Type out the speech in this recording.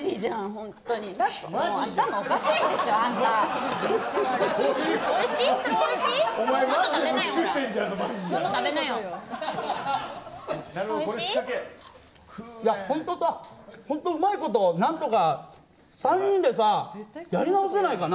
ほんとさうまいことなんとか３人でさ、やり直せないかな。